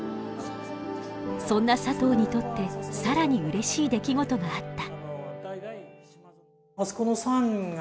そんな佐藤にとって更にうれしい出来事があった。